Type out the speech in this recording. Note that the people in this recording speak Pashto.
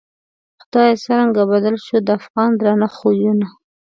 خدایه څرنگه بدل شوو، د افغان درانه خویونه